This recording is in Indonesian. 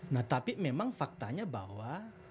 nah tapi memang faktanya bahwa